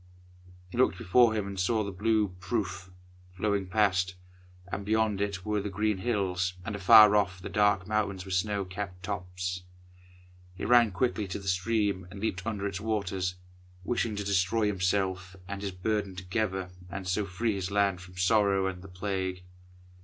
He looked before him and saw the blue Pruth flowing past, and beyond it were the green hills, and afar off the dark mountains with snow capped tops. He ran quickly to the stream and leaped under its waters, wishing to destroy himself and his burden together, and so free his land from sorrow and the Plague.